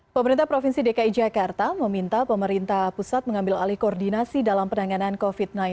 pemerintah provinsi dki jakarta meminta pemerintah pusat mengambil alih koordinasi dalam penanganan covid sembilan belas